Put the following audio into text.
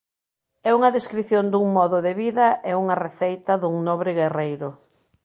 É unha descrición dun modo de vida e unha receita dun nobre guerreiro.